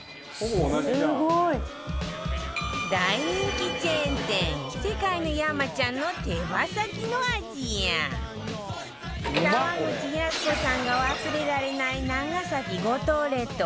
大人気チェーン店世界の山ちゃんの手羽先の味や沢口靖子さんが忘れられない長崎五島列島